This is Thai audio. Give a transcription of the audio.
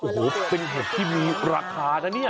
โอ้โหเป็นเห็ดที่มีราคานะเนี่ย